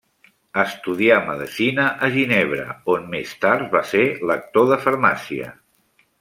Estudià medicina a ginebra on més tard va ser lector de farmàcia.